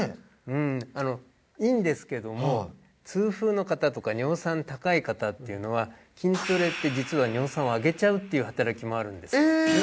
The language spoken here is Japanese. うんあのいいんですけども痛風の方とか尿酸高い方っていうのは筋トレって実は尿酸を上げちゃうっていう働きもあるんですええ！